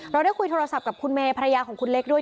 เราได้คุยโทรศัพท์กับคุณเมย์ภรรยาของคุณเล็กด้วย